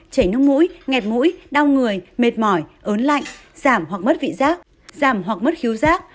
chảy nước mũi nghẹt mũi đau người mệt mỏi ớn lạnh giảm hoặc mất vị giác giảm hoặc mất khíu giác